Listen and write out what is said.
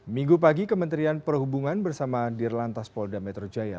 minggu pagi kementerian perhubungan bersama dirlantas polda metro jaya